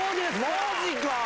マジか！